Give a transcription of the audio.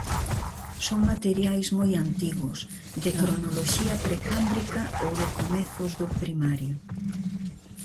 Son materiais moi antigos, de cronoloxía precámbrica ou de comezos do Primario.